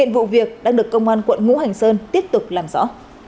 vụ việc đang được công an quận ngũ hành sơn tiếp tục làm rõ